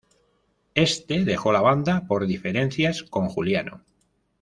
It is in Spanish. Este dejó la banda por diferencias con Juliano.